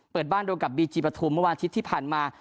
เปิดบ้านโดยกับบีจีปฐุมเมื่อวันอาทิตย์ที่ผ่านมา